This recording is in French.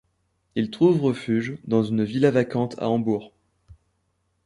Ils trouvent refuge dans une villa vacante à Hambourg.